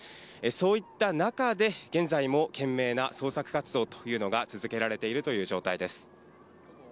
そういった中で、現在も懸命な捜索活動というのが続けられているという状態です。